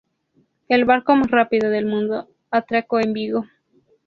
El barco más rápido del mundo atracó en Vigo.